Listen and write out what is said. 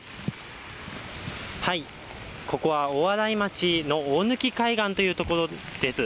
ここは大洗町の大貫海岸というところです。